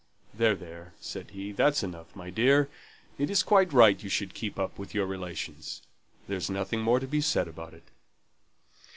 "There, there!" said he, "that's enough, my dear! It's quite right you should keep up with your relations; there's nothing more to be said about it."